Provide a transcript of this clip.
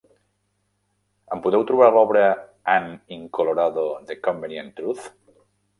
Em podeu trobar l'obra "An in Colorado the Convenient Truth"?